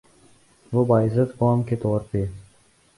وہ باعزت قوم کے طور پہ